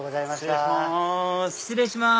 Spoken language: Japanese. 失礼します。